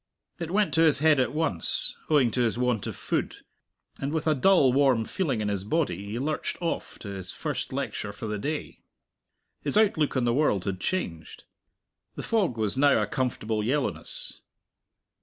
It went to his head at once, owing to his want of food, and with a dull warm feeling in his body he lurched off to his first lecture for the day. His outlook on the world had changed. The fog was now a comfortable yellowness.